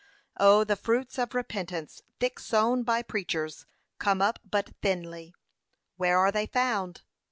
p. 517. 'O the fruits of repentance thick sown by preachers, come up but thinly! Where are they found?